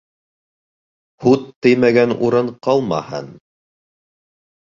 Һут теймәгән урын ҡалмаһын.